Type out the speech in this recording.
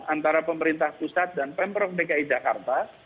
antara pemerintah pusat dan pemprov dki jakarta